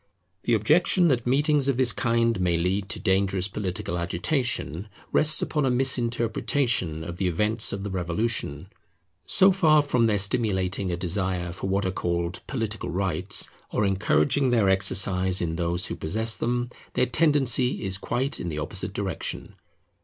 The objection that meetings of this kind may lead to dangerous political agitation, rests upon a misinterpretation of the events of the Revolution. So far from their stimulating a desire for what are called political rights, or encouraging their exercise in those who possess them, their tendency is quite in the opposite direction.